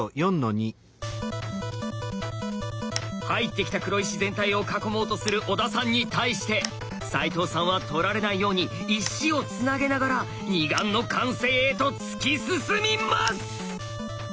入ってきた黒石全体を囲もうとする小田さんに対して齋藤さんは取られないように石をつなげながら二眼の完成へと突き進みます！